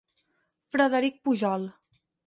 Frederic Pujol.